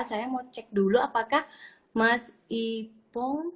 saya mau cek dulu apakah mas ipong